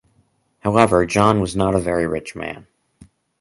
However John was not a very rich man.